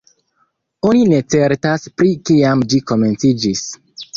Oni ne certas pri kiam ĝi komenciĝis.